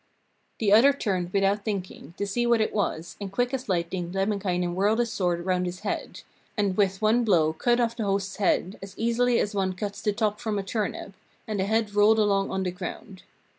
The other turned without thinking, to see what it was, and quick as lightning Lemminkainen whirled his sword round his head, and with one blow cut off the host's head as easily as one cuts the top from a turnip, and the head rolled along on the ground.